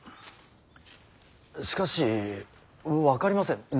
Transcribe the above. しかし分かりません。